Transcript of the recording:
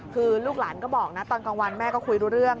คือลูกหลานก็บอกนะตอนกลางวันแม่ก็คุยรู้เรื่อง